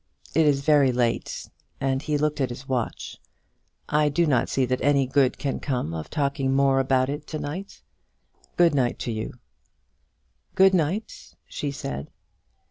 "It is very late," and he looked at his watch. "I do not see that any good can come of talking more about it now. Good night to you." "Good night," she said.